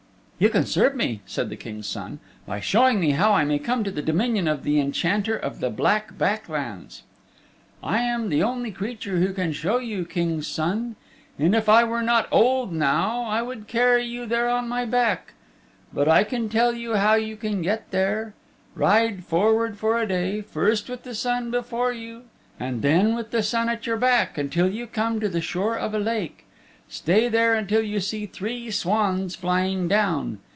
"You can serve me," said the King's Son, "by showing me how I may come to the dominion of the Enchanter of the Black Back Lands." "I am the only creature who can show you, King's Son. And if I were not old now I would carry you there on my back. But I can tell you how you can get there. Ride forward for a day, first with the sun before you and then with the sun at your back, until you come to the shore of a lake. Stay there until you see three swans flying down.